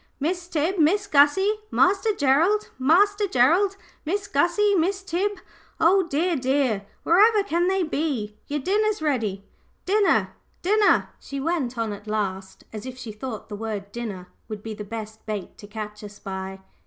"Miss Tib, Miss Gussie, Master Gerald! Master Gerald, Miss Gussie, Miss Tib! oh, dear, dear, wherever can they be? Your dinner's ready din ner! din ner!" she went on at last, as if she thought the word "dinner" would be the best bait to catch us by.